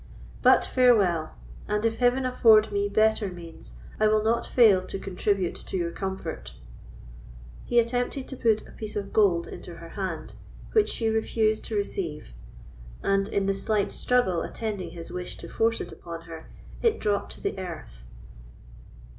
But farewell; and if Heaven afford me better means, I will not fail to contribute to your comfort." He attempted to put a piece of gold into her hand, which she refused to receive; and, in the slight struggle attending his wish to force it upon her, it dropped to the earth.